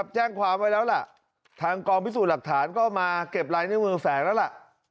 แล้วล่ะทางกองพิสูจน์หลักฐานก็มาเก็บไลน์ในมือแฝงแล้วล่ะ